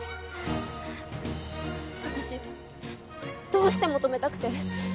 私どうしても止めたくて。